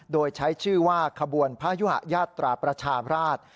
โดยใช้ชื่อว่าขบวนพระยุหะยาตราประชาราช